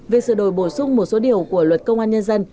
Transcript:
việc sửa đổi bổ sung một số điều của luật công an nhân dân